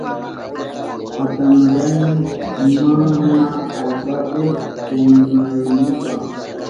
Patanayani mana allpapi puñunaynipa.